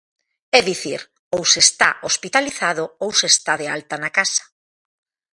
É dicir, ou se está hospitalizado ou se está de alta na casa.